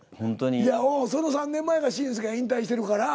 いやその３年前が紳助が引退してるから。